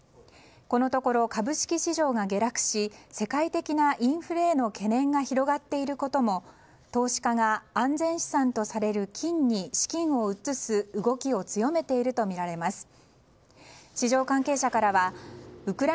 このところ、株式市場が下落し世界的なインフレへの懸念が広がっていることも投資家が安全資産とされる金に資金を移す動きを強めているとみられています。